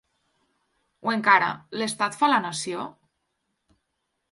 O encara: l’estat fa la nació?